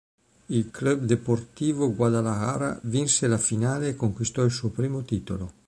Il Club Deportivo Guadalajara vinse la finale e conquistò il suo primo titolo.